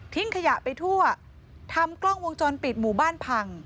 ขยะไปทั่วทำกล้องวงจรปิดหมู่บ้านพัง